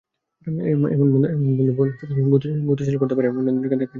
এসব বন্দোবস্তকে গতিশীল করতে পারে, প্রয়োজনবোধে এমন পদক্ষেপ নতুন চুক্তিতে রাখা যেতেই পারে।